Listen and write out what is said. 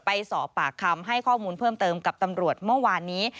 ไปสอบปากคำให้ข้อมูลเพิ่มเติมกับตำรวจเมื่อวานนี้